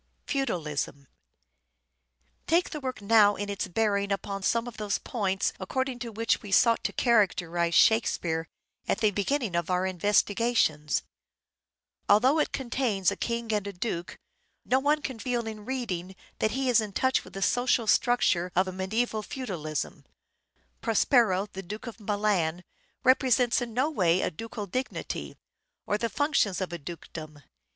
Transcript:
Feudalism. Take the work now in its bearing upon some of those points according to which we sought to characterize " Shakespeare " at the beginning of our investigations. Although it contains a king and a duke no one can feel in reading it that he is in touch with the social structure of a medieval feudalism. Prospero, the Duke of Milan, represents in no way a ducal dignity, or the functions of a dukedom.